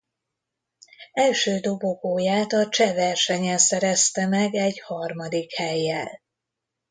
Első dobogóját a cseh versenyen szerezte meg egy harmadik hellyel.